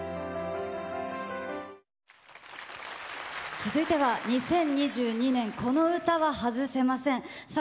続いては２０２２年、この歌は外せません。